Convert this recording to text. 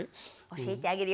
教えてあげるよ。